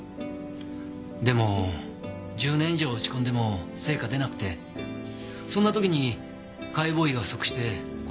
でも１０年以上打ち込んでも成果出なくてそんな時に解剖医が不足して声がかかって。